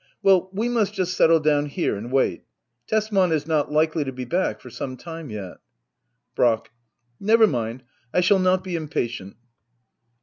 Well, we must just settle down here —and wait Tesman is not likely to be back for some time yet Brack. Never mind ; I shall not be impatient.